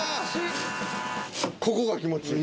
ここが気持ちいい。